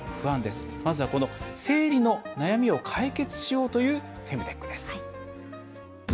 まずはこの生理の悩みを解決しようというフェムテックです。